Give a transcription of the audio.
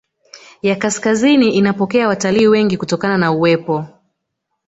ya kaskazini inapokea watalii wengi kutokana na uwepo